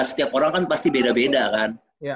setiap orang kan pasti beda beda kan